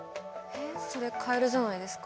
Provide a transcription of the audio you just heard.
えっそりゃカエルじゃないですか？